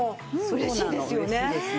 嬉しいですよね。